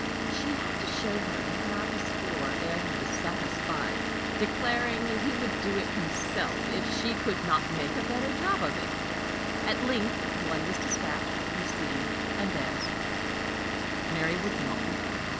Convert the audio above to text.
She had to show him half a score ere he was satisfied, declaring he would do it himself, if she could not make a better job of it. At length one was dispatched, received, and answered: Mary would not return.